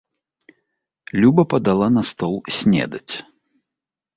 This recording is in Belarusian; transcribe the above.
Люба падала на стол снедаць.